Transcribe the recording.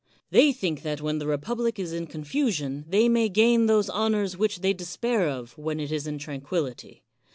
They think that when the republic is in confusion they may gain those honors which they despair of when it is in tranquillity.